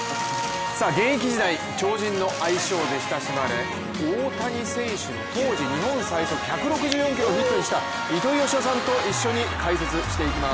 現役時代、超人の愛称で親しまれ大谷選手の当時日本最速１６４キロをヒットにした糸井嘉男さんと一緒に開設していきます。